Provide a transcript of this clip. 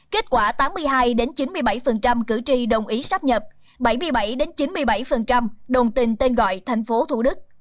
kết quả tám mươi hai chín mươi bảy cử tri đồng ý sắp nhập bảy mươi bảy chín mươi bảy đồng tình tên gọi tp thủ đức